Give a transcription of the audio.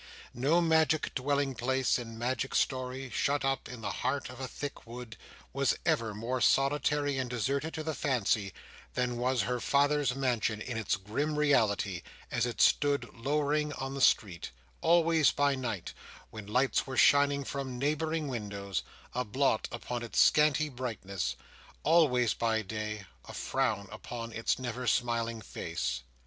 No magic dwelling place in magic story, shut up in the heart of a thick wood, was ever more solitary and deserted to the fancy, than was her father's mansion in its grim reality, as it stood lowering on the street: always by night, when lights were shining from neighbouring windows, a blot upon its scanty brightness; always by day, a frown upon its never smiling face.